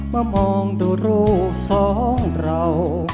มามองดูรูปสองเรา